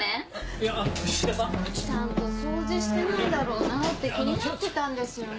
いや菱田さん？ちゃんと掃除してないだろうなって気になってたんですよね。